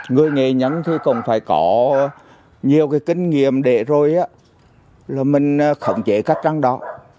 người nghề nhân không phải có nhiều kinh nghiệm để rồi mình không dễ cách trắng đỏ